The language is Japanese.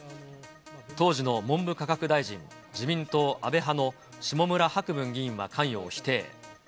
当時の文部科学大臣、自民党、安倍派の下村博文議員は関与を否定。